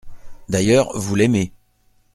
D’ailleurs, vous l’aimez.